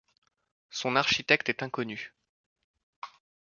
Son architecte est inconnu.